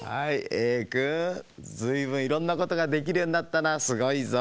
Ａくんずいぶんいろんなことができるようになったなすごいぞ。